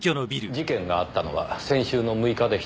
事件があったのは先週の６日でしたねえ。